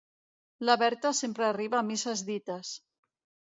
La Berta sempre arriba a misses dites.